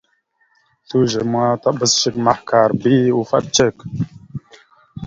Slʉze ma taɓas shek mahəkar bi ufaɗ cek.